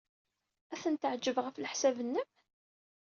Ad ten-teɛjeb, ɣef leḥsab-nnem?